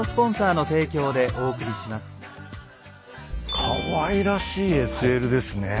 かわいらしいＳＬですね。